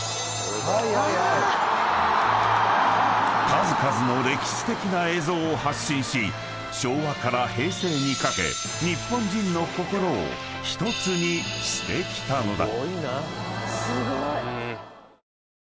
［数々の歴史的な映像を発信し昭和から平成にかけ日本人の心を１つにしてきたのだ］